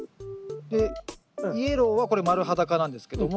でイエローはこれ丸裸なんですけども。